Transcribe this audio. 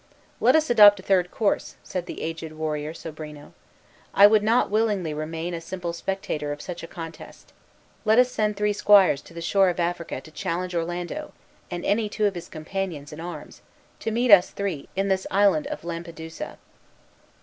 "Let us adopt a third course," said the aged warrior Sobrino. "I would not willingly remain a simple spectator of such a contest. Let us send three squires to the shore of Africa to challenge Orlando and any two of his companions in arms to meet us three in this island of Lampedusa."